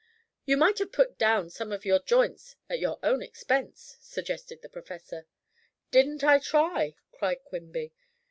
"You might have put down some of your joints at your own expense," suggested the professor. "Didn't I try?" cried Quimby.